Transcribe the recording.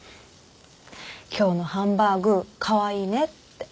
今日のハンバーグカワイイねって。